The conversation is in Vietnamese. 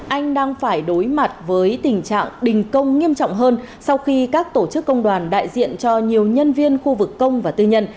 anh đang phải đối mặt với tình trạng đình công nghiêm trọng hơn sau khi các tổ chức công đoàn đại diện cho nhiều nhân viên khu vực công và tư nhân